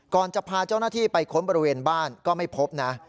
ก่อนจะพาเจ้าหน้าที่ไปค้นบริเวณบ้านก็ไม่พบนะ